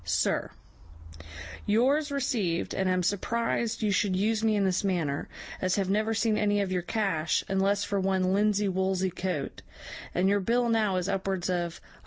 _ 'SIR, 'YOURS received, and am surprized you should use me in this manner, as have never seen any of your cash, unless for one linsey woolsey coat, and your bill now is upwards of £150.